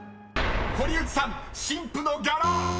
［堀内さん「しんぷのギャラ」］